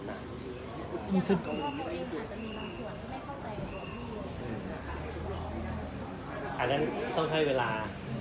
อันนั้นต้องให้เวลา